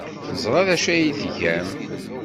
Neẓra d acu ay tgam.